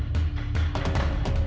ibu mother baikmu